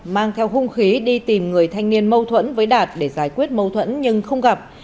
mang theo hung khí đi tìm người thanh niên mâu thuẫn với đạt để giải quyết mâu thuẫn nhưng không gặp